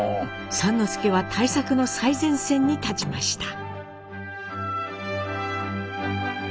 之助は対策の最前線に立ちました。